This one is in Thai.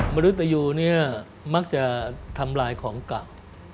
มนุษย์ตะยูนี่มักจะทำลายของกล่าว